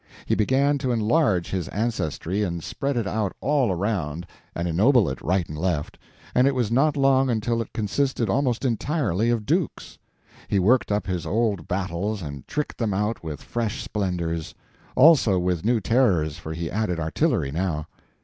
He began to enlarge his ancestry and spread it out all around, and ennoble it right and left, and it was not long until it consisted almost entirely of dukes. He worked up his old battles and tricked them out with fresh splendors; also with new terrors, for he added artillery now.